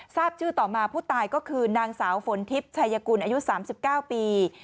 ทราบชื่อต่อมาผู้ตายก็คือนางสาวฝนทิพย์ชายกุลอายุ๓๙ปี